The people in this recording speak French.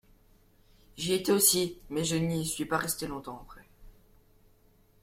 J'y étais aussi ; mais je n'y suis pas resté longtemps après.